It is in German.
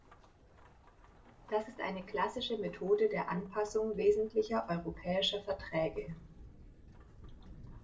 Das ist eine klassische Methode der Anpassung wesentlicher europäischer Verträge.